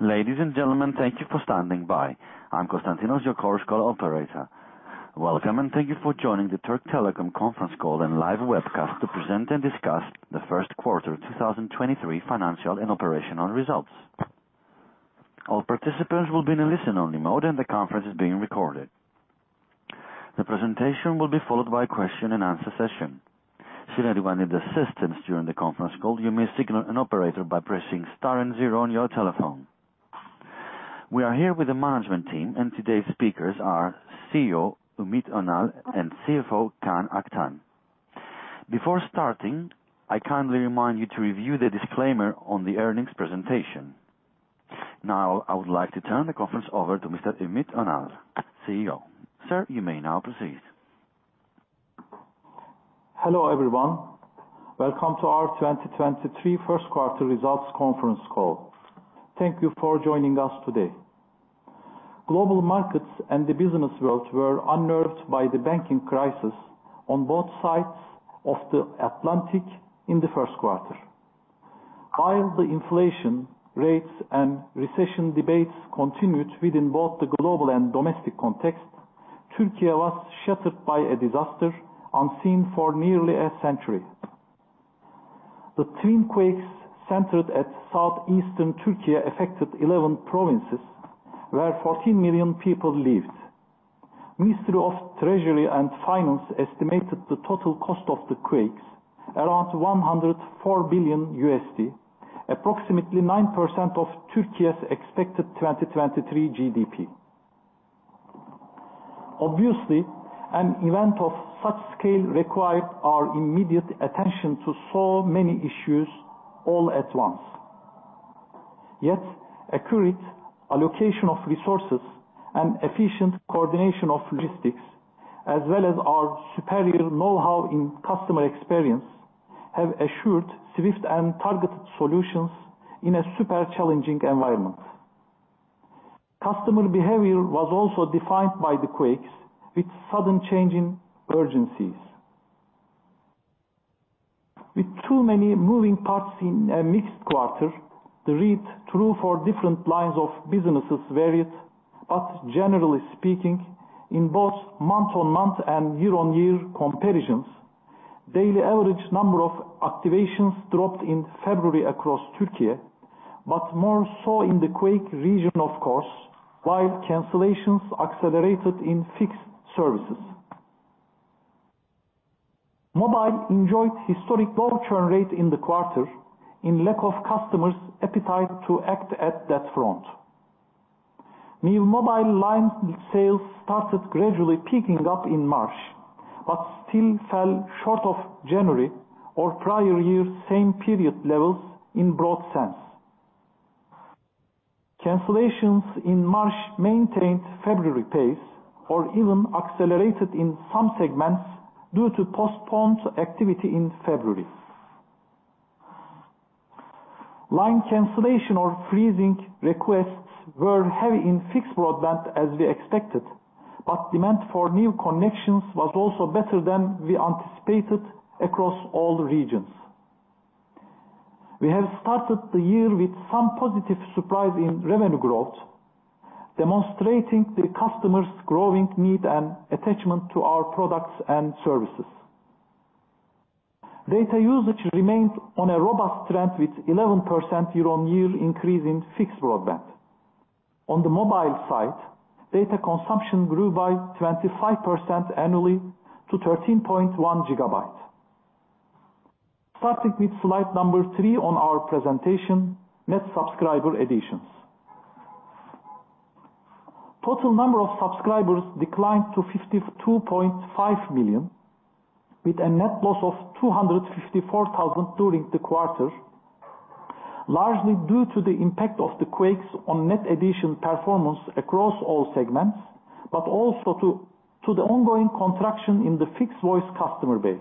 Ladies and gentlemen, thank you for standing by. I'm Constantinos, your call operator. Welcome, and thank you for joining the Türk Telekom conference call and live webcast to present and discuss the first quarter 2023 financial and operational results. All participants will be in a listen-only mode, and the conference is being recorded. The presentation will be followed by a question and answer session. Should anyone need assistance during the conference call, you may signal an operator by pressing star and zero on your telephone. We are here with the management team, and today's speakers are CEO, Ümit Önal, and CFO, Kaan Aktan. Before starting, I kindly remind you to review the disclaimer on the earnings presentation. Now, I would like to turn the conference over to Mr. Ümit Önal, CEO. Sir, you may now proceed. Hello, everyone. Welcome to our 2023 first quarter results conference call. Thank you for joining us today. Global markets and the business world were unnerved by the banking crisis on both sides of the Atlantic in the first quarter. While the inflation rates and recession debates continued within both the global and domestic context, Turkey was shattered by a disaster unseen for nearly a century. The twin quakes centered at southeastern Turkey affected 11 provinces where 14 million people lived. Ministry of Treasury and Finance estimated the total cost of the quakes around $104 billion, approximately 9% of Turkey's expected 2023 GDP. Obviously, an event of such scale required our immediate attention to so many issues all at once. Yet, accurate allocation of resources and efficient coordination of logistics, as well as our superior know-how in customer experience, have assured swift and targeted solutions in a super challenging environment. Customer behavior was also defined by the quakes, with sudden change in urgencies. With too many moving parts in a mixed quarter, the read-through for different lines of businesses varied. But generally speaking, in both month-on-month and year-on-year comparisons, daily average number of activations dropped in February across Turkey, but more so in the quake region, of course, while cancellations accelerated in fixed services. Mobile enjoyed historic low churn rate in the quarter in lack of customers' appetite to act at that front. New mobile line sales started gradually peaking up in March, but still fell short of January or prior year's same period levels in broad sense. Cancellations in March maintained February pace or even accelerated in some segments due to postponed activity in February. Line cancellation or freezing requests were heavy in fixed broadband as we expected, but demand for new connections was also better than we anticipated across all the regions. We have started the year with some positive surprise in revenue growth, demonstrating the customers' growing need and attachment to our products and services. Data usage remains on a robust trend with 11% year-on-year increase in fixed broadband. On the mobile side, data consumption grew by 25% annually to 13.1 gigabytes. Starting with slide number three on our presentation, net subscriber additions. Total number of subscribers declined to 52.5 million, with a net loss of 254,000 during the quarter, largely due to the impact of the quakes on net addition performance across all segments, but also to the ongoing contraction in the fixed voice customer base.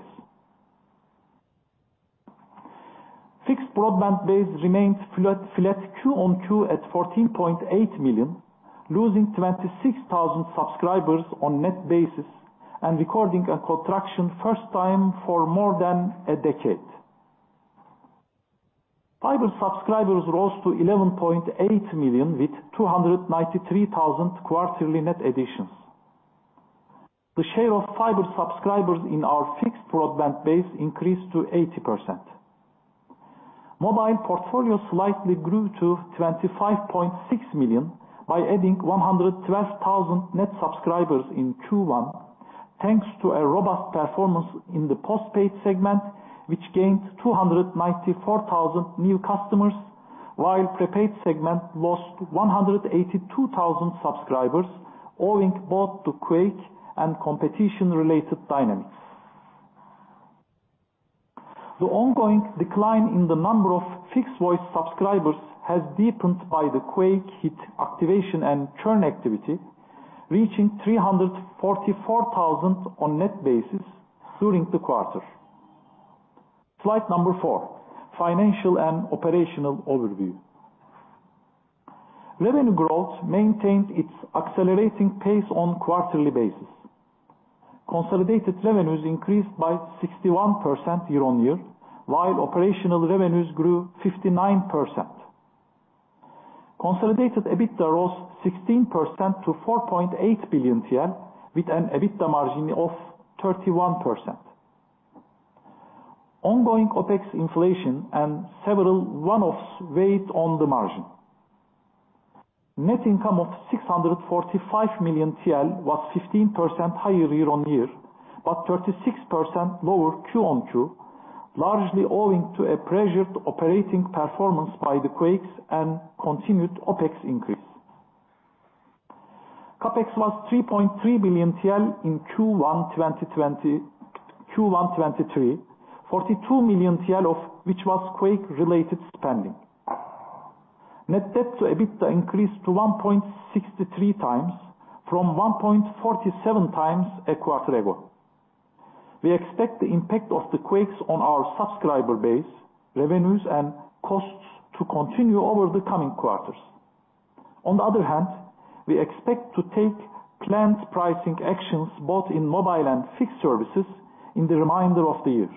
Fixed broadband base remained flat Q-on-Q at 14.8 million, losing 26,000 subscribers on net basis and recording a contraction first time for more than a decade. Fiber subscribers rose to 11.8 million, with 293,000 quarterly net additions. The share of fiber subscribers in our fixed broadband base increased to 80%. Mobile portfolio slightly grew to 25.6 million by adding 112,000 net subscribers in Q1, thanks to a robust performance in the postpaid segment, which gained 294,000 new customers, while prepaid segment lost 182,000 subscribers owing both to quake and competition-related dynamics. The ongoing decline in the number of fixed voice subscribers has deepened by the quake hit activation and churn activity, reaching 344,000 on net basis during the quarter. Slide number four, financial and operational overview. Revenue growth maintained its accelerating pace on quarterly basis. Consolidated revenues increased by 61% year-on-year, while operational revenues grew 59%. Consolidated EBITDA rose 16% to 4.8 billion TL, with an EBITDA margin of 31%. Ongoing OpEx inflation and several one-offs weighed on the margin. Net income of 645 million TL was 15% higher year-on-year, but 36% lower Q on Q, largely owing to a pressured operating performance by the quakes and continued OpEx increase. CapEx was 3.3 billion TL in Q1 2023, 42 million TL of which was quake-related spending. Net debt to EBITDA increased to 1.63 times from 1.47 times a quarter ago. We expect the impact of the quakes on our subscriber base, revenues, and costs to continue over the coming quarters. On the other hand, we expect to take planned pricing actions both in mobile and fixed services in the remainder of the year.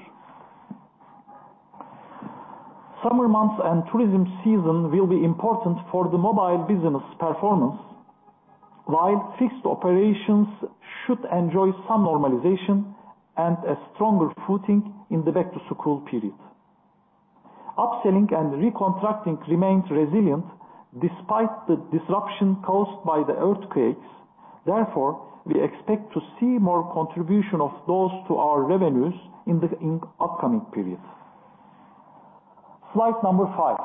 Summer months and tourism season will be important for the mobile business performance, while fixed operations should enjoy some normalization and a stronger footing in the back-to-school period. Up-selling and recontracting remains resilient despite the disruption caused by the earthquakes. Therefore, we expect to see more contribution of those to our revenues in the upcoming periods. Slide number five,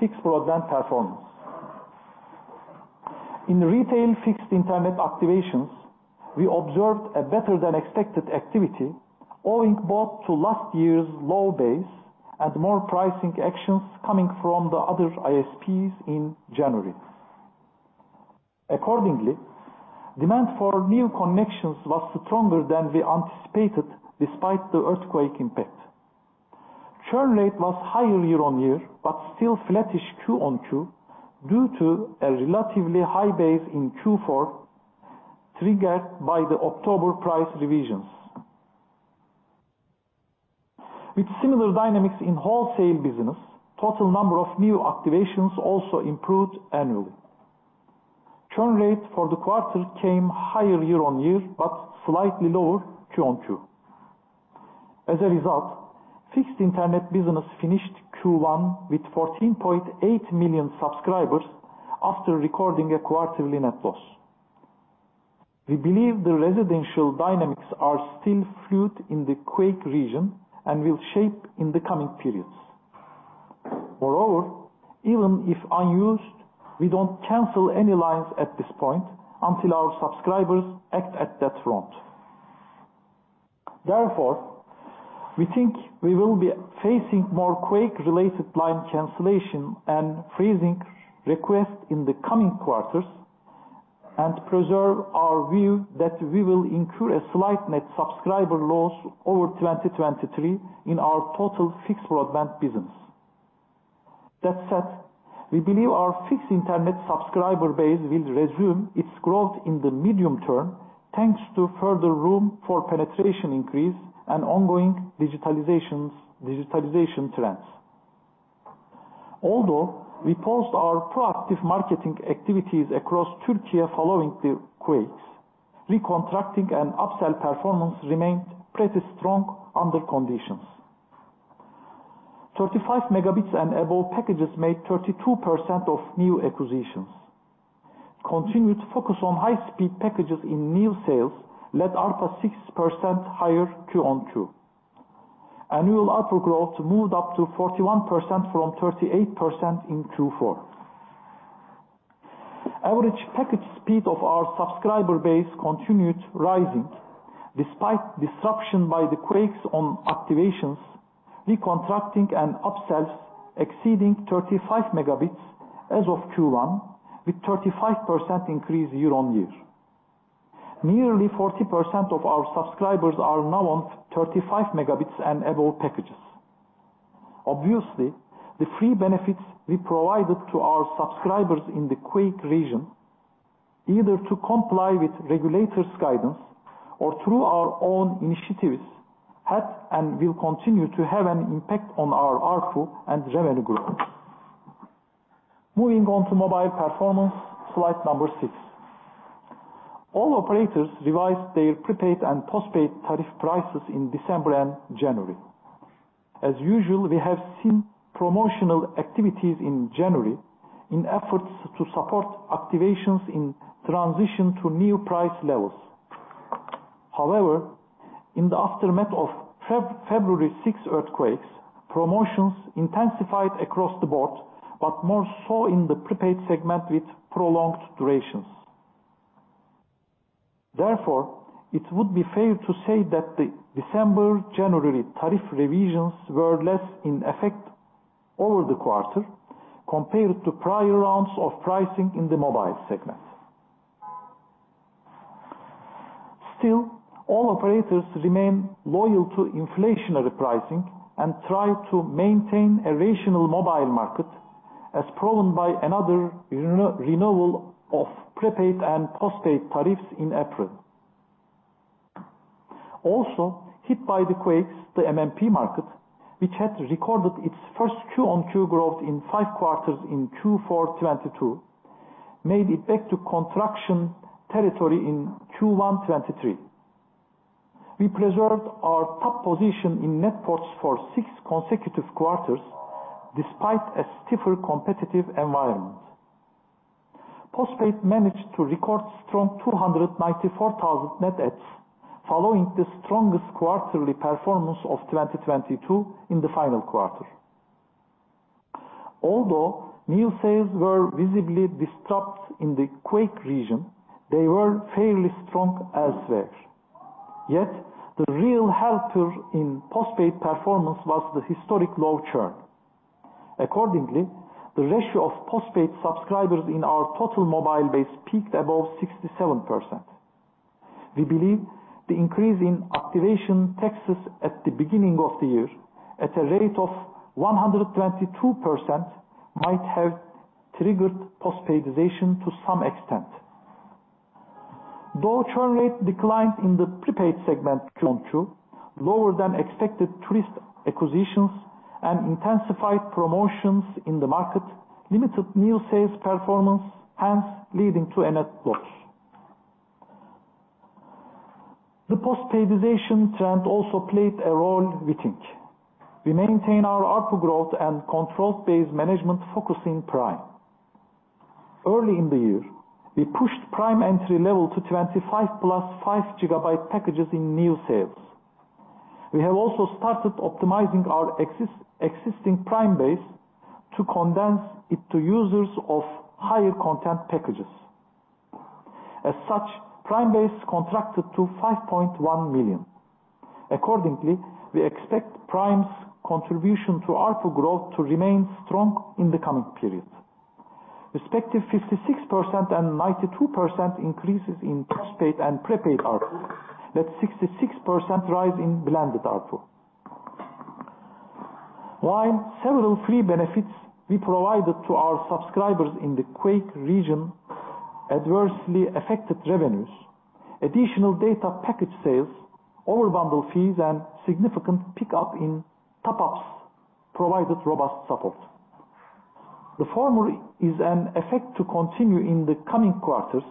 fixed broadband performance. In retail fixed internet activations, we observed a better-than-expected activity owing both to last year's low base and more pricing actions coming from the other ISPs in January. Accordingly, demand for new connections was stronger than we anticipated despite the earthquake impact. Churn rate was higher year-on-year, but still flattish Q on Q due to a relatively high base in Q4 triggered by the October price revisions. With similar dynamics in wholesale business, total number of new activations also improved annually. Churn rate for the quarter came higher year-on-year, but slightly lower Q on Q. As a result, fixed internet business finished Q1 with 14.8 million subscribers after recording a quarterly net loss. We believe the residential dynamics are still fluid in the quake region and will shape in the coming periods. Moreover, even if unused, we don't cancel any lines at this point until our subscribers act at that front. Therefore, we think we will be facing more quake-related line cancellation and freezing requests in the coming quarters and preserve our view that we will incur a slight net subscriber loss over 2023 in our total fixed broadband business. That said, we believe our fixed internet subscriber base will resume its growth in the medium term thanks to further room for penetration increase and ongoing digitalization trends. Although we paused our proactive marketing activities across Türkiye following the quakes, recontracting and up-sell performance remained pretty strong under conditions. 35 megabits and above packages made 32% of new acquisitions. Continued focus on high-speed packages in new sales led ARPU 6% higher Q on Q. Annual ARPU growth moved up to 41% from 38% in Q4. Average package speed of our subscriber base continued rising despite disruption by the quakes on activations, recontracting, and up-sells exceeding 35 megabits as of Q1 with 35% increase year-on-year. Nearly 40% of our subscribers are now on 35 megabits and above packages. Obviously, the free benefits we provided to our subscribers in the quake region, either to comply with regulators' guidance or through our own initiatives, had and will continue to have an impact on our ARPU and revenue growth. Moving on to mobile performance. Slide number six. All operators revised their prepaid and postpaid tariff prices in December and January. As usual, we have seen promotional activities in January in efforts to support activations in transition to new price levels. However, in the aftermath of February 6 earthquakes, promotions intensified across the board, but more so in the prepaid segment with prolonged durations. Therefore, it would be fair to say that the December, January tariff revisions were less in effect over the quarter compared to prior rounds of pricing in the mobile segment. Still, all operators remain loyal to inflationary pricing and try to maintain a rational mobile market as proven by another renewal of prepaid and postpaid tariffs in April. Also hit by the quakes, the MNP market, which had recorded its first Q-on-Q growth in five quarters in Q4 2022, made it back to contraction territory in Q1 2023. We preserved our top position in net adds for six consecutive quarters despite a stiffer competitive environment. Postpaid managed to record strong 294,000 net adds following the strongest quarterly performance of 2022 in the final quarter. Although new sales were visibly disrupted in the quake region, they were fairly strong elsewhere. Yet the real helper in postpaid performance was the historic low churn. Accordingly, the ratio of postpaid subscribers in our total mobile base peaked above 67%. We believe the increase in activation taxes at the beginning of the year, at a rate of 122%, might have triggered postpaid to some extent. Though churn rate declined in the prepaid segment Q on Q, lower than expected tourist acquisitions and intensified promotions in the market limited new sales performance, hence leading to a net loss. The postpaid trend also played a role we think. We maintain our ARPU growth and controlled base management focusing Prime. Early in the year, we pushed Prime entry level to 25 plus five gigabyte packages in new sales. We have also started optimizing our existing Prime base to condense it to users of higher content packages. As such, Prime base contracted to 5.1 million. Accordingly, we expect Prime's contribution to ARPU growth to remain strong in the coming period. Respective 56% and 92% increases in postpaid and prepaid ARPU led 66% rise in blended ARPU. While several free benefits we provided to our subscribers in the quake region adversely affected revenues, additional data package sales, over bundle fees, and significant pickup in top-ups provided robust support. The former is an effect to continue in the coming quarters,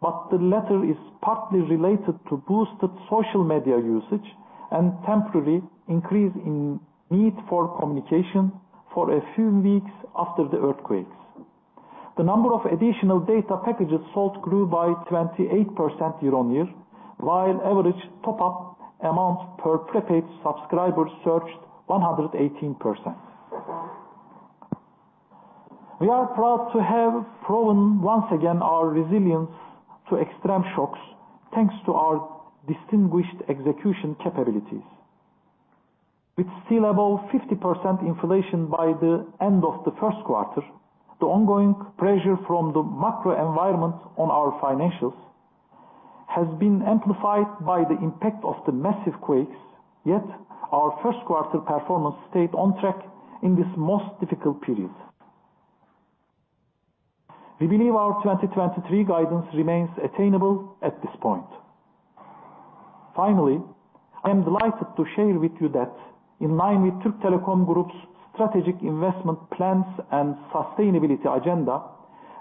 but the latter is partly related to boosted social media usage and temporarily increase in need for communication for a few weeks after the earthquakes. The number of additional data packages sold grew by 28% year-on-year, while average top-up amount per prepaid subscriber surged 118%. We are proud to have proven once again our resilience to extreme shocks thanks to our distinguished execution capabilities. With still above 50% inflation by the end of the first quarter, the ongoing pressure from the macro environment on our financials has been amplified by the impact of the massive quakes. Our first quarter performance stayed on track in this most difficult period. We believe our 2023 guidance remains attainable at this point. I am delighted to share with you that in line with Türk Telekom Group's strategic investment plans and sustainability agenda,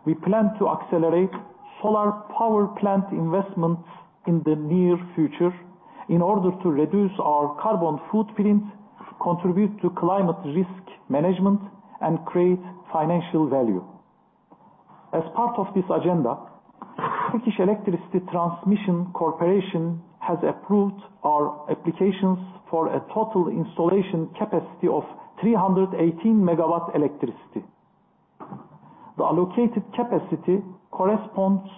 we plan to accelerate solar power plant investments in the near future in order to reduce our carbon footprint, contribute to climate risk management, and create financial value. As part of this agenda, Turkish Electricity Transmission Corporation has approved our applications for a total installation capacity of 318 MW electricity. The allocated capacity corresponds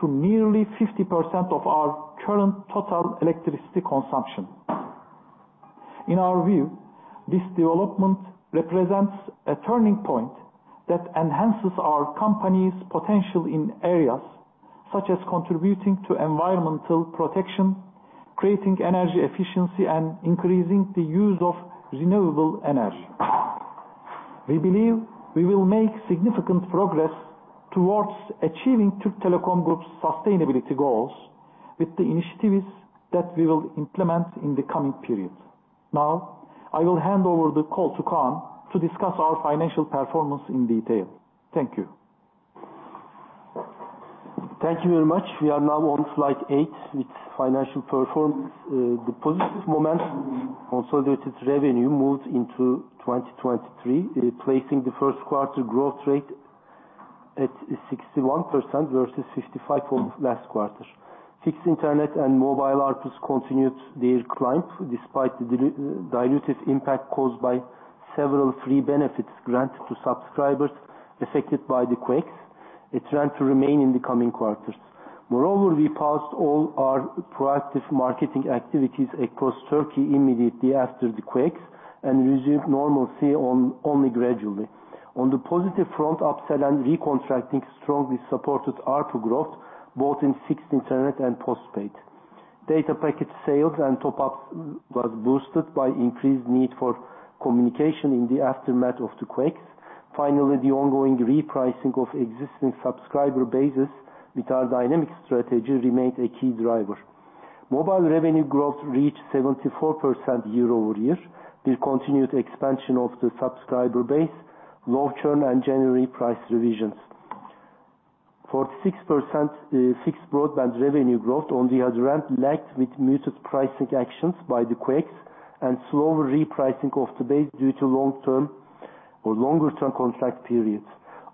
to nearly 50% of our current total electricity consumption. In our view, this development represents a turning point that enhances our company's potential in areas such as contributing to environmental protection, creating energy efficiency, and increasing the use of renewable energy. We believe we will make significant progress towards achieving Türk Telekom Group's sustainability goals with the initiatives that we will implement in the coming periods. I will hand over the call to Kaan to discuss our financial performance in detail. Thank you. Thank you very much. We are now on slide eight with financial performance. The positive momentum consolidated revenue moved into 2023, placing the first quarter growth rate at 61% versus 55% of last quarter. Fixed internet and mobile ARPUs continued their climb despite the dilutive impact caused by several free benefits granted to subscribers affected by the quakes. It trend to remain in the coming quarters. We paused all our proactive marketing activities across Turkey immediately after the quakes and resumed normalcy only gradually. On the positive front, upsell and recontracting strongly supported ARPU growth both in fixed internet and postpaid. Data packet sales and top ups was boosted by increased need for communication in the aftermath of the quakes. The ongoing repricing of existing subscriber bases with our dynamic strategy remained a key driver. Mobile revenue growth reached 74% year-over-year. This continued expansion of the subscriber base, low churn, and January price revisions. 46% fixed broadband revenue growth, on the other hand, lagged with muted pricing actions by the quakes and slower repricing of the base due to long-term or longer-term contract periods.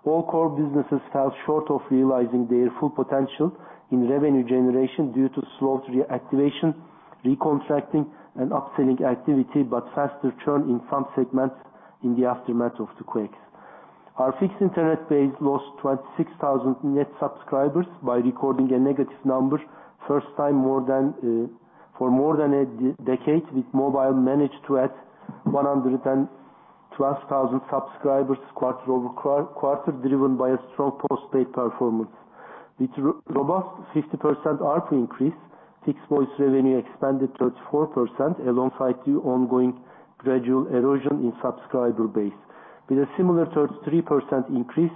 All core businesses fell short of realizing their full potential in revenue generation due to slow reactivation, recontracting, and upselling activity, but faster churn in some segments in the aftermath of the quakes. Our fixed internet base lost 26,000 net subscribers by recording a negative number, first time for more than a decade, with mobile managed to add 112,000 subscribers quarter-over-quarter, driven by a strong postpaid performance. With robust 50% ARPU increase, fixed voice revenue expanded 34% alongside the ongoing gradual erosion in subscriber base. With a similar 33% increase,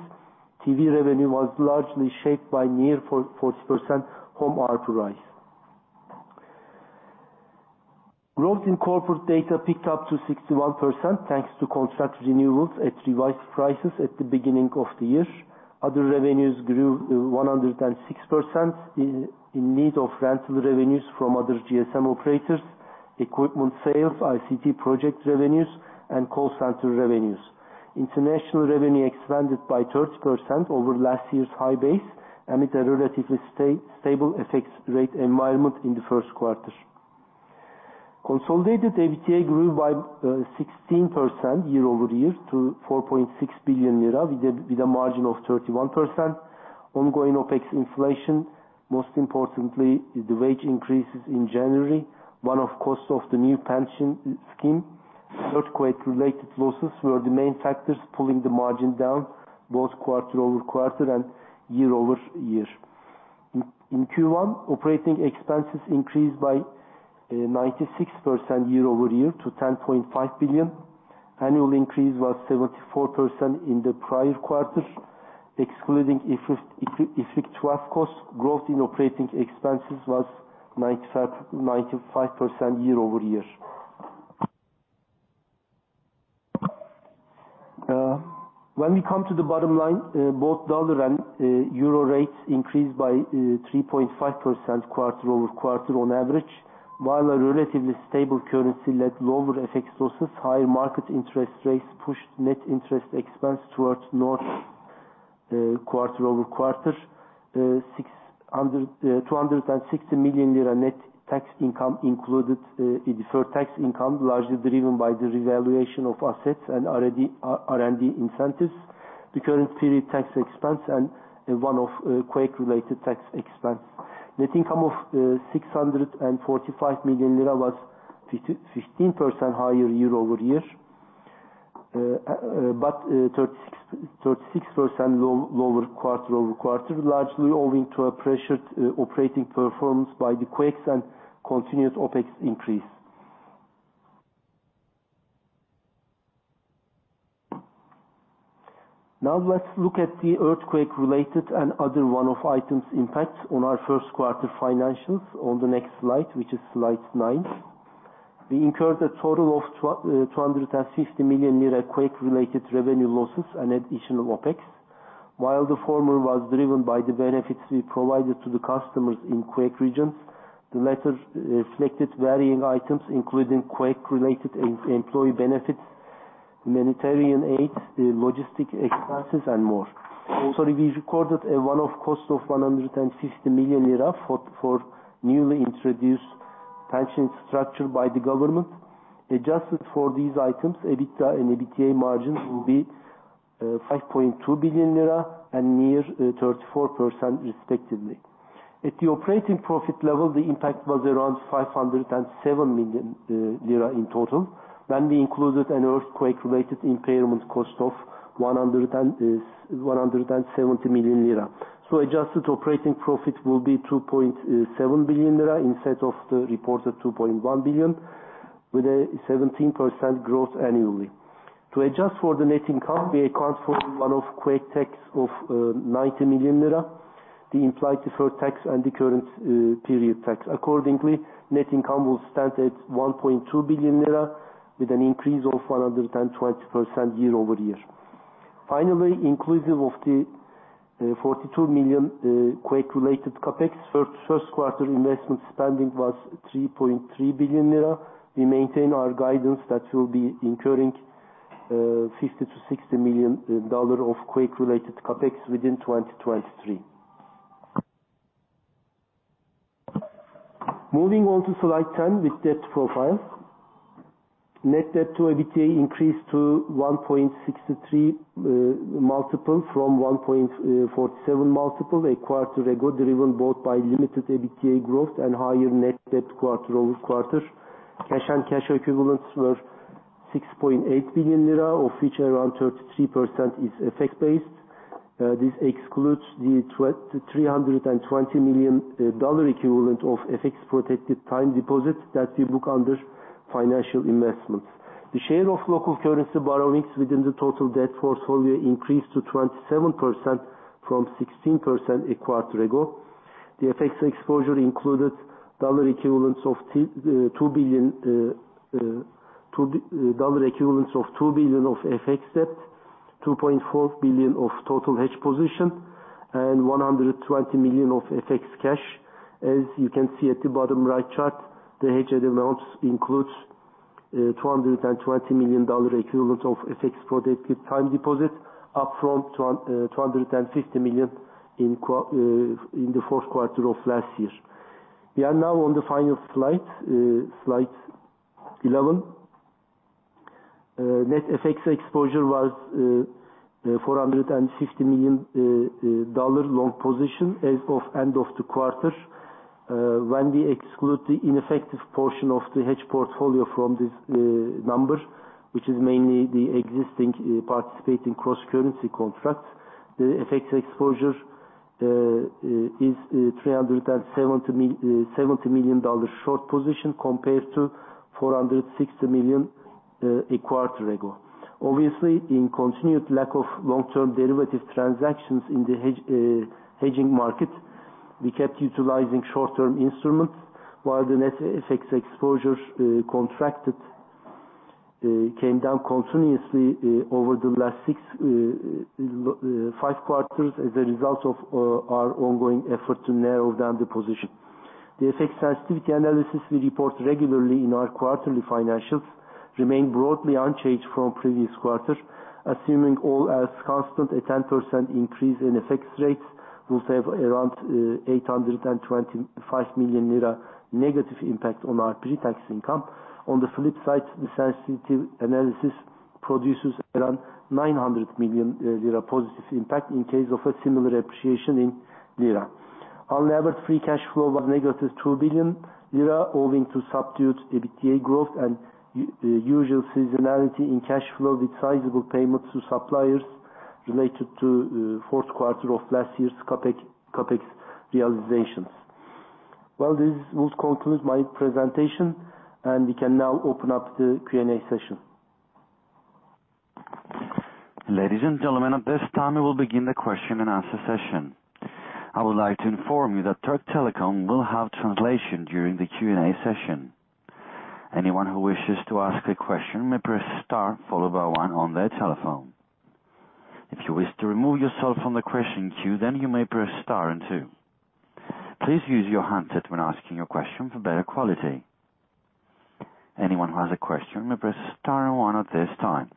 TV revenue was largely shaped by near 40% home ARPU rise. Growth in corporate data picked up to 61% thanks to contract renewals at revised prices at the beginning of the year. Other revenues grew 106% in need of rental revenues from other GSM operators, equipment sales, ICT project revenues, and call center revenues. International revenue expanded by 30% over last year's high base amid a relatively stable FX rate environment in Q1. Consolidated EBITDA grew by 16% year-over-year to 4.6 billion lira, with a margin of 31%. Ongoing OpEx inflation, most importantly, the wage increases in January, one-off costs of the new pension scheme, earthquake-related losses were the main factors pulling the margin down both quarter-over-quarter and year-over-year. In Q1, operating expenses increased by 96% year-over-year to 10.5 billion. Annual increase was 74% in the prior quarter. Excluding IFRS 12 costs, growth in operating expenses was 95% year-over-year. When we come to the bottom line, both dollar and euro rates increased by 3.5% quarter-over-quarter on average. While a relatively stable currency led lower FX losses, higher market interest rates pushed net interest expense towards north quarter-over-quarter. 260 million lira net tax income included deferred tax income, largely driven by the revaluation of assets and R&D incentives, the current period tax expense and one-off quake-related tax expense. Net income of 645 million lira was 15% higher year-over-year. But 36% lower quarter-over-quarter, largely owing to a pressured operating performance by the quakes and continuous OpEx increase. Now let's look at the earthquake-related and other one-off items impact on our Q1 financials on the next slide, which is slide nine. We incurred a total of 250 million lira quake-related revenue losses and additional OpEx. While the former was driven by the benefits we provided to the customers in quake regions, the latter reflected varying items, including quake-related employee benefits, humanitarian aid, logistic expenses, and more. Also, we recorded a one-off cost of 150 million lira for newly introduced pension structure by the government. Adjusted for these items, EBITDA and EBITDA margins will be 5.2 billion lira and near 34%, respectively. At the operating profit level, the impact was around 507 million lira in total when we included an earthquake-related impairment cost of 170 million lira. So adjusted operating profit will be 2.7 billion lira instead of the reported 2.1 billion, with a 17% growth annually. To adjust for the net income, we account for one-off quake tax of 90 million lira, the implied deferred tax, and the current period tax. Accordingly, net income will stand at 1.2 billion lira with an increase of 120% year-over-year. Finally, inclusive of the 42 million quake-related CapEx, Q1 investment spending was 3.3 billion lira. We maintain our guidance that we'll be incurring $50 million-$60 million of quake-related CapEx within 2023. Moving on to slide 10 with debt profile. Net debt to EBITDA increased to 1.63 multiple from 1.47 multiple a quarter ago, driven both by limited EBITDA growth and higher net debt quarter-over-quarter. Cash and cash equivalents were 6.8 billion lira, of which around 33% is FX based. This excludes the $320 million equivalent of FX protected time deposits that we book under financial investments. The share of local currency borrowings within the total debt portfolio increased to 27% from 16% a quarter ago. The FX exposure included dollar equivalents of 2 billion of FX debt, 2.4 billion of total hedge position, and 120 million of FX cash. As you can see at the bottom right chart, the hedged amounts includes $220 million equivalent of FX protected time deposit, up from $250 million in the fourth quarter of last year. We are now on the final slide 11. Net FX exposure was $450 million long position as of end of the quarter. When we exclude the ineffective portion of the hedge portfolio from this number, which is mainly the existing participating cross-currency contracts, the FX exposure is $370 million short position compared to $460 million a quarter ago. In continued lack of long-term derivative transactions in the hedging market, we kept utilizing short-term instruments, while the net FX exposure contracted came down continuously over the last five quarters as a result of our ongoing effort to narrow down the position. The FX sensitivity analysis we report regularly in our quarterly financials remained broadly unchanged from previous quarter. Assuming all else constant, a 10% increase in FX rates will save around 825 million lira negative impact on our pre-tax income. On the flip side, the sensitivity analysis produces around 900 million lira positive impact in case of a similar appreciation in lira. Unlevered free cash flow was negative 2 billion lira, owing to subdued EBITDA growth and usual seasonality in cash flow with sizable payments to suppliers related to fourth quarter of last year's CapEx realizations. This would conclude my presentation, we can now open up the Q&A session. Ladies and gentlemen, at this time, we will begin the question and answer session. I would like to inform you that Türk Telekom will have translation during the Q&A session. Anyone who wishes to ask a question may press star followed by one on their telephone. If you wish to remove yourself from the question queue, you may press star and two. Please use your handset when asking your question for better quality. Anyone who has a question may press star and one at this time.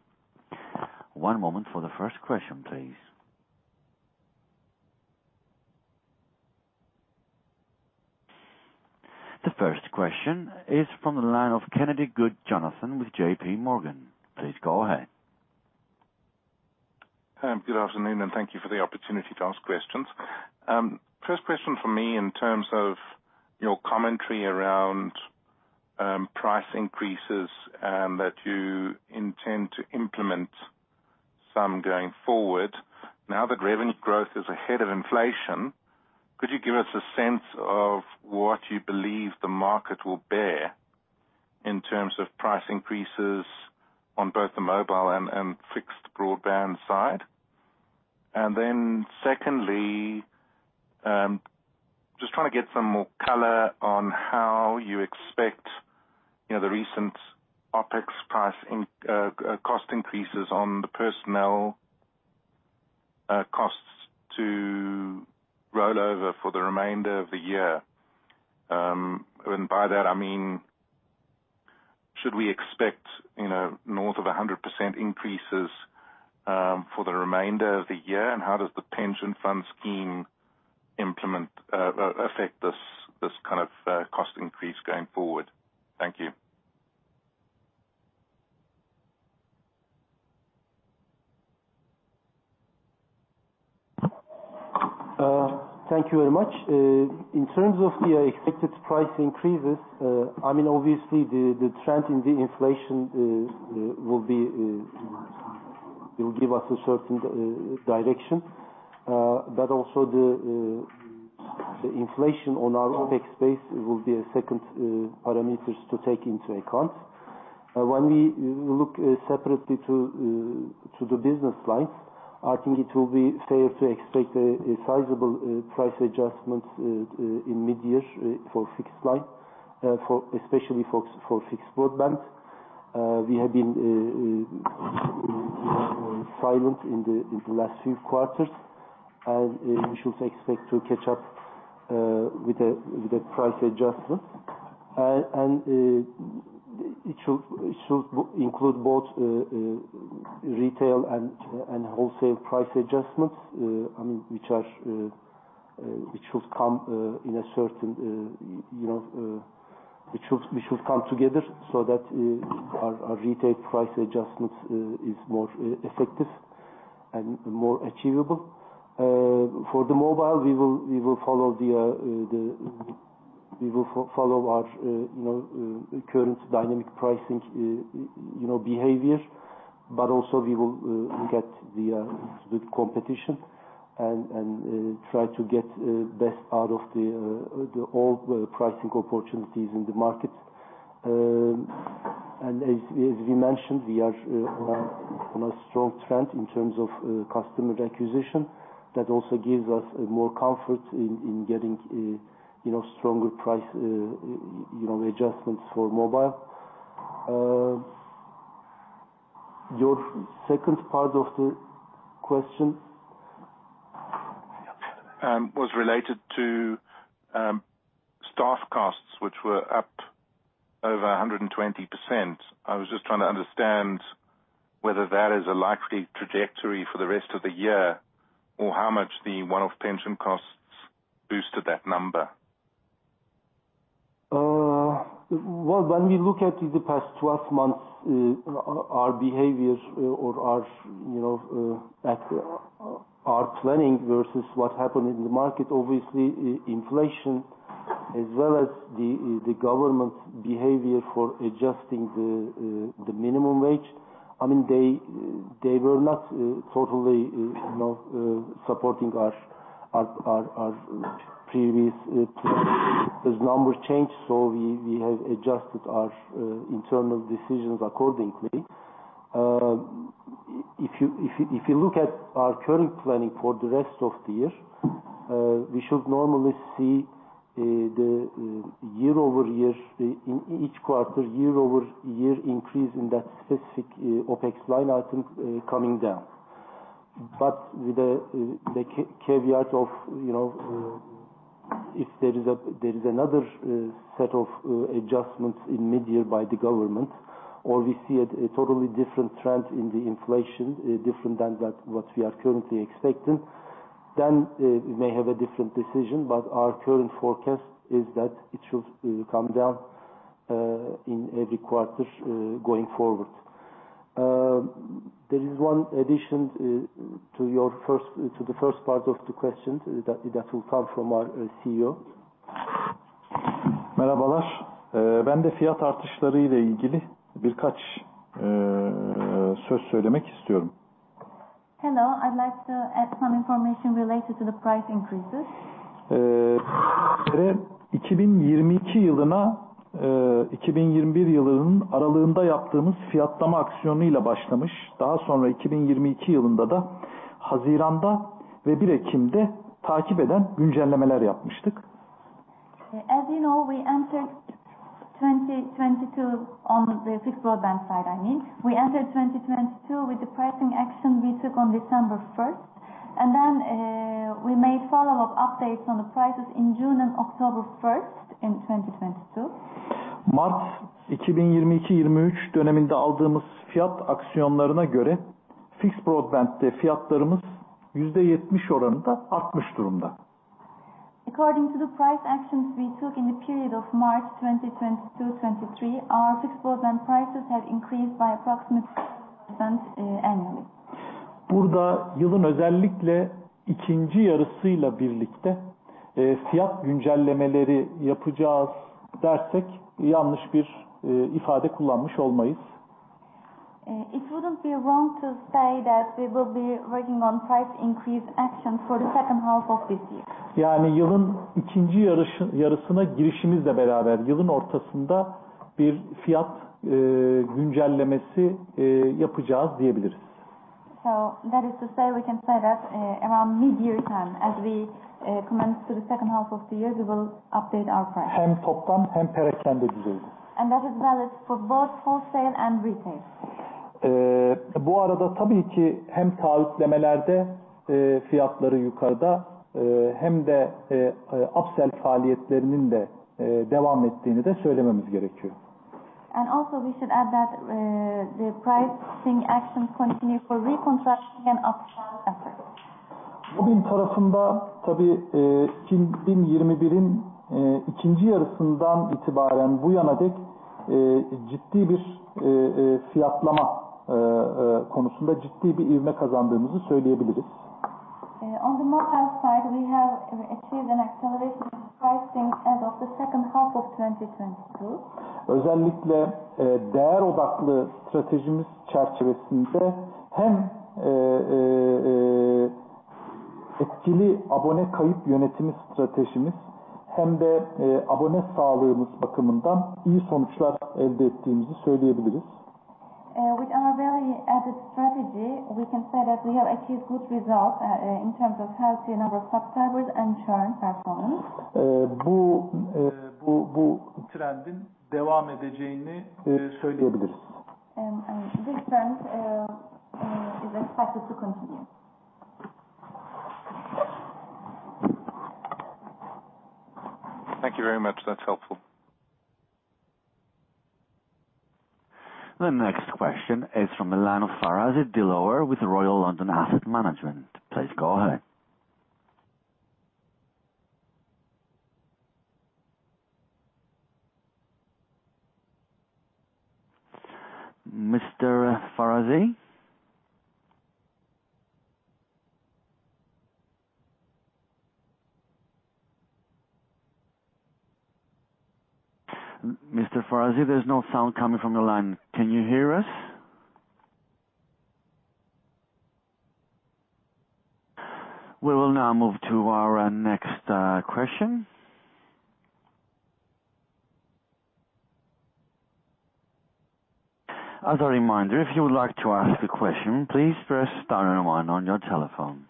One moment for the first question, please. The first question is from the line of Kennedy Good Jonathan with JP Morgan. Please go ahead. Hi, good afternoon, thank you for the opportunity to ask questions. First question from me in terms of your commentary around price increases that you intend to implement some going forward. Now that revenue growth is ahead of inflation, could you give us a sense of what you believe the market will bear in terms of price increases on both the mobile and fixed broadband side? Secondly, just trying to get some more color on how you expect the recent OpEx price cost increases on the personnel costs to roll over for the remainder of the year. By that, I mean, should we expect north of 100% increases for the remainder of the year? How does the pension fund scheme affect this kind of cost increase going forward? Thank you. Thank you very much. In terms of the expected price increases, obviously the trend in the inflation will give us a certain direction, also the inflation on our OpEx space will be a second parameter to take into account. When we look separately to the business lines, I think it will be fair to expect a sizable price adjustment in mid-year for fixed line, especially for fixed broadband. We have been silent in the last few quarters, we should expect to catch up with the price adjustment. It should include both retail and wholesale price adjustments which should come together so that our retail price adjustments is more effective. More achievable. For the mobile, we will follow our current dynamic pricing behavior, also we will look at the competition and try to get the best out of all the pricing opportunities in the market. As we mentioned, we are on a strong trend in terms of customer acquisition. That also gives us more comfort in getting stronger price adjustments for mobile. Your second part of the question? Was related to staff costs, which were up over 120%. I was just trying to understand whether that is a likely trajectory for the rest of the year, or how much the one-off pension costs boosted that number. When we look at the past 12 months, our behaviors or our planning versus what happened in the market, obviously, inflation as well as the government's behavior for adjusting the minimum wage were not totally supporting our previous plans. Those numbers changed. We have adjusted our internal decisions accordingly. If you look at our current planning for the rest of the year, we should normally see in each quarter, year-over-year increase in that specific OpEx line item coming down. With the caveat of if there is another set of adjustments in mid-year by the government, or we see a totally different trend in the inflation, different than what we are currently expecting, we may have a different decision. Our current forecast is that it should come down in every quarter, going forward. There is one addition to the first part of the question that will come from our CEO. Hello. I'd like to add some information related to the price increases. As you know, we entered 2022 on the fixed broadband side. We entered 2022 with the pricing action we took on December 1st. Then we made follow-up updates on the prices in June and October 1st in 2022. According to the price actions we took in the period of March 2022 to 2023, our fixed broadband prices have increased by approximately 70% annually. It wouldn't be wrong to say that we will be working on price increase action for the second half of this year. That is to say, we can say that around mid-year time, as we commence to the second half of the year, we will update our price. That is valid for both wholesale and retail. Also, we should add that the pricing actions continue for reconstruction and upsell efforts. On the mobile side, we have achieved an acceleration in pricing as of the second half of 2022. With our value-added strategy, we can say that we have achieved good results in terms of healthy number of subscribers and churn performance. This trend is expected to continue. Thank you very much. That is helpful. The next question is from Milano Farazi-Dilore with Royal London Asset Management. Please go ahead. Mr. Farazi? Mr. Farazi, there is no sound coming from the line. Can you hear us? We will now move to our next question. As a reminder, if you would like to ask a question, please press star and one on your telephone.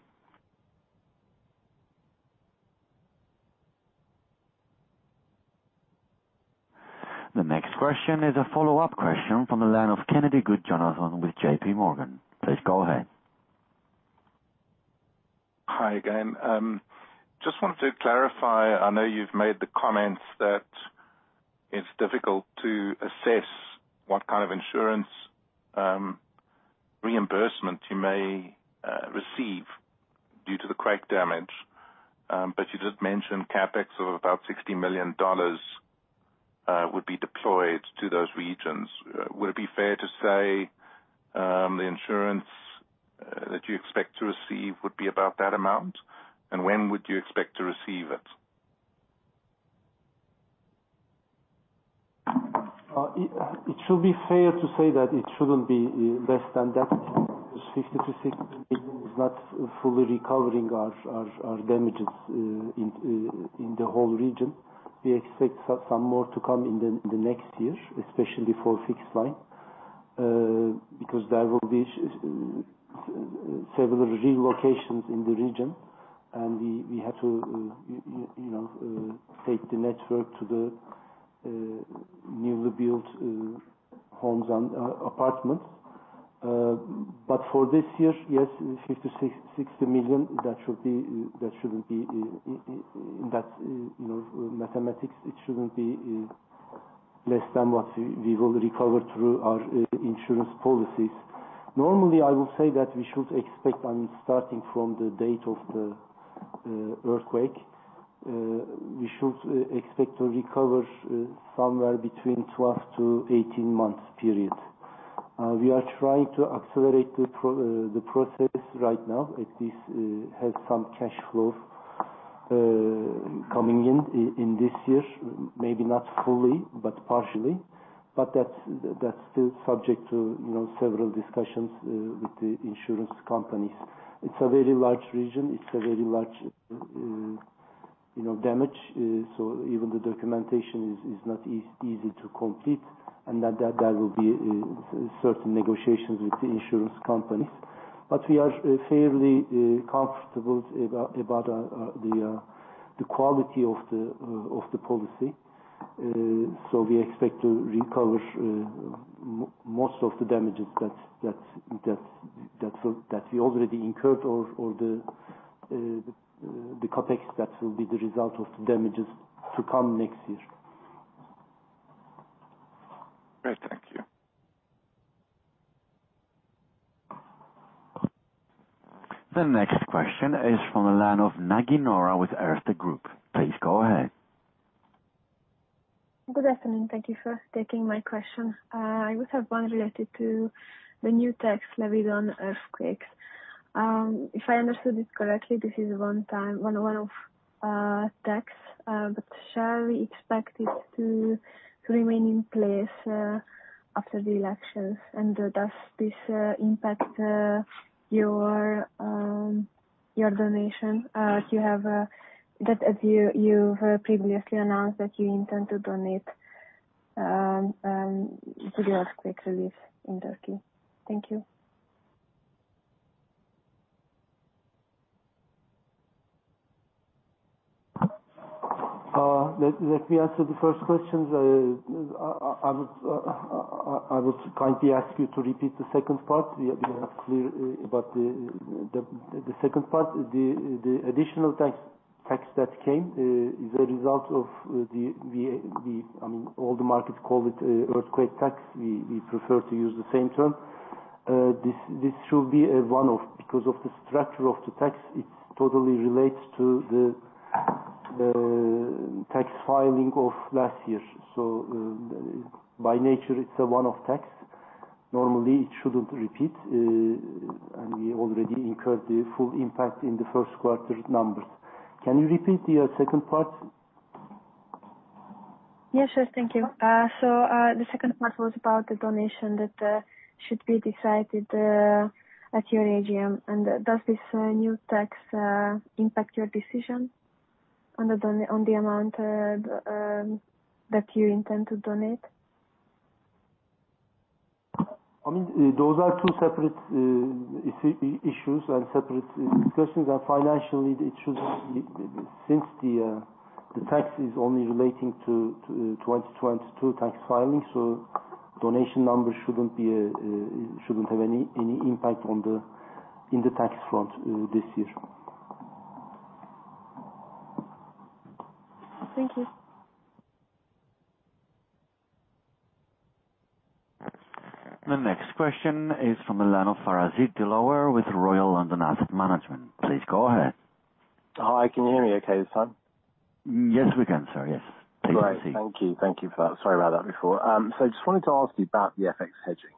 The next question is a follow-up question from the line of Kennedy Good Jonathan with JP Morgan. Please go ahead. Hi again. Wanted to clarify, I know you have made the comments that it is difficult to assess what kind of insurance reimbursement you may receive due to the quake damage, but you did mention CapEx of about $60 million would be deployed to those regions. Would it be fair to say the insurance that you expect to receive would be about that amount? When would you expect to receive it? It should be fair to say that it should not be less than that because $50 million-$60 million is not fully recovering our damages in the whole region. We expect some more to come in the next year, especially for fixed line, because there will be several relocations in the region, and we have to take the network to the newly built homes and apartments. For this year, yes, $50 million-$60 million, in that mathematics, it should not be less than what we will recover through our insurance policies. Normally, I would say that we should expect, starting from the date of the earthquake, we should expect to recover somewhere between 12-18 months period. We are trying to accelerate the process right now. At least have some cash flow coming in this year. Maybe not fully, but partially. That is still subject to several discussions with the insurance companies. It is a very large region. It is a very large damage. Even the documentation is not easy to complete, and there will be certain negotiations with the insurance companies. We are fairly comfortable about the quality of the policy. We expect to recover most of the damages that we already incurred or the CapEx that will be the result of the damages to come next year. Great. Thank you. The next question is from the line of Naginora with Erste Group. Please go ahead. Good afternoon. Thank you for taking my question. I just have one related to the new tax levied on earthquakes. If I understood it correctly, this is a one-off tax, shall we expect it to remain in place after the elections? Does this impact your donation that you have previously announced that you intend to donate to the earthquake relief in Turkey? Thank you. Let me answer the first questions. I would kindly ask you to repeat the second part. We are not clear about the second part. The additional tax that came is a result of all the markets call it earthquake tax. We prefer to use the same term. This should be a one-off because of the structure of the tax, it totally relates to the tax filing of last year. By nature, it's a one-off tax. Normally, it shouldn't repeat. We already incurred the full impact in the first quarter numbers. Can you repeat your second part? Yeah, sure. Thank you. The second part was about the donation that should be decided at your AGM. Does this new tax impact your decision on the amount that you intend to donate? Those are two separate issues and separate discussions. Financially, since the tax is only relating to 2022 tax filing, donation numbers shouldn't have any impact in the tax front this year. Thank you. The next question is from the line of Farazi Dilawar with Royal London Asset Management. Please go ahead. Hi, can you hear me okay this time? Yes, we can, sir. Yes. Great. Thank you. Sorry about that before. Just wanted to ask you about the FX hedging.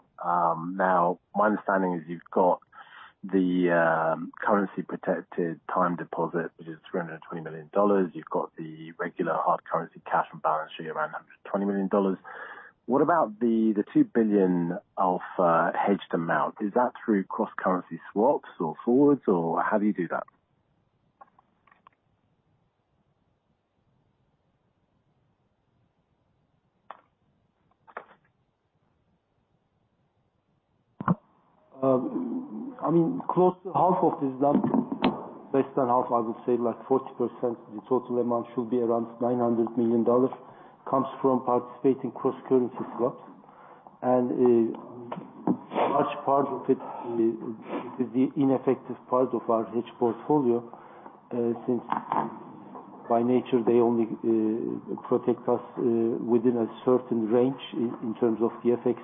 Now, my understanding is you've got the currency-protected time deposit, which is $320 million. You've got the regular hard currency cash on balance sheet, around $120 million. What about the $2 billion of hedged amount? Is that through cross-currency swaps or forwards, or how do you do that? I mean, close to half of this amount, less than half, I would say like 40%, the total amount should be around $900 million, comes from participating cross-currency swaps. A large part of it is the ineffective part of our hedge portfolio, since by nature, they only protect us within a certain range in terms of the FX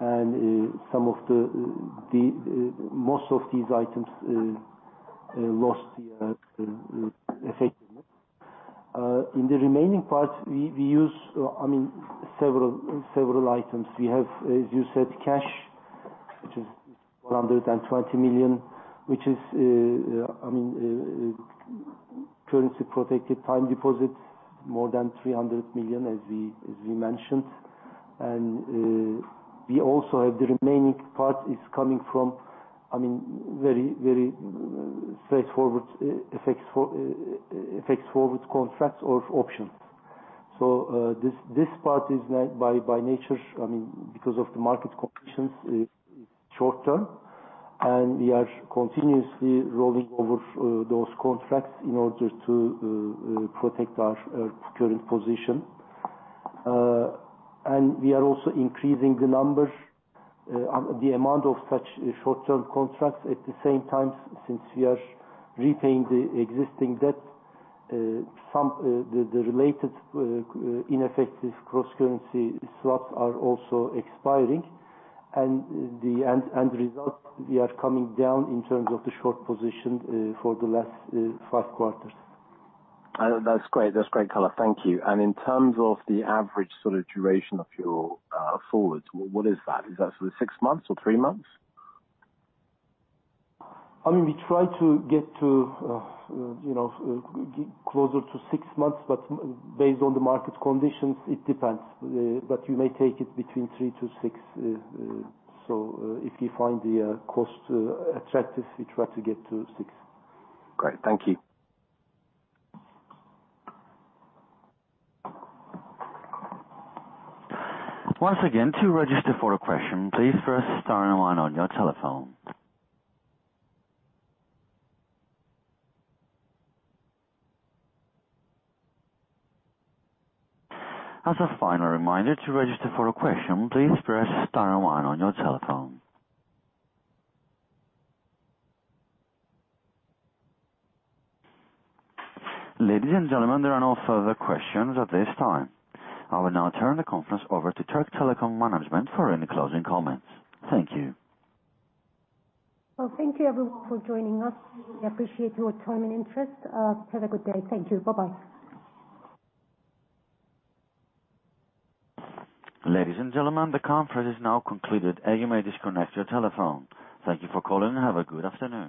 rate. Most of these items lost the effectiveness. In the remaining part, we use several items. We have, as you said, cash, which is $420 million, which is currency-protected time deposits, more than $300 million, as we mentioned. We also have the remaining part is coming from very straightforward FX forwards contracts or options. This part is by nature, because of the market conditions, is short-term. We are continuously rolling over those contracts in order to protect our current position. We are also increasing the amount of such short-term contracts. At the same time, since we are repaying the existing debt, the related ineffective cross-currency swaps are also expiring. The end result, we are coming down in terms of the short position for the last five quarters. That's great, Kaan. Thank you. In terms of the average sort of duration of your forwards, what is that? Is that sort of six months or three months? I mean, we try to get closer to six months, but based on the market conditions, it depends. You may take it between three to six. If we find the cost attractive, we try to get to six. Great. Thank you. Once again, to register for a question, please press star one on your telephone. As a final reminder, to register for a question, please press star and one on your telephone. Ladies and gentlemen, there are no further questions at this time. I will now turn the conference over to Türk Telekom management for any closing comments. Thank you. Well, thank you everyone for joining us. We appreciate your time and interest. Have a good day. Thank you. Bye-bye. Ladies and gentlemen, the conference is now concluded and you may disconnect your telephone. Thank you for calling and have a good afternoon.